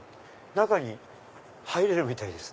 中に入れるみたいです。